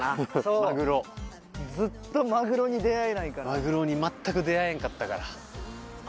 マグロに全く出合えんかったから。